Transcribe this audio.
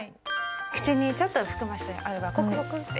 口にちょっと含ませてあればゴクゴクって。